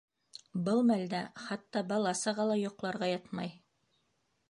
- Был мәлдә хатта бала-саға ла йоҡларға ятмай!